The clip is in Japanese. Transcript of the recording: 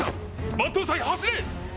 抜刀斎走れ！